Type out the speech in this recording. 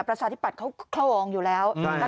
ประชาธิปัตย์เขาคลองอยู่แล้ว